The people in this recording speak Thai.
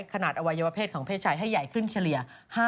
อวัยวะเพศของเพศชายให้ใหญ่ขึ้นเฉลี่ย๕๐